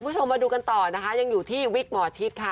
คุณผู้ชมมาดูกันต่อนะคะยังอยู่ที่วิกหมอชิดค่ะ